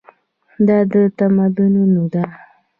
دا د تمدنونو ده.